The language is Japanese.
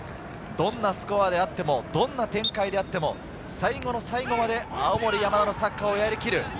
どんなスコアであっても、どんな展開であっても、最後の最後まで青森山田のサッカーをやりきる。